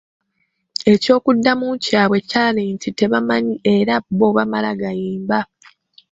Eky’okuddamu kyabwe kyali nti tebamanyi nti era bo baamala gayimba.